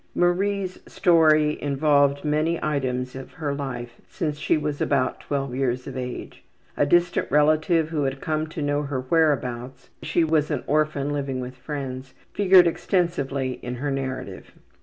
Marie's story involved many items of her life since she was about 12 years of age. A distant relative who had come to know her whereabouts (she was an orphan living with friends) figured extensively in her narrative.